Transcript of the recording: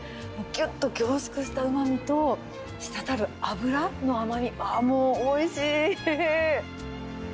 ぎゅっと凝縮したうまみと、滴る脂の甘み、わー、もうおいしい。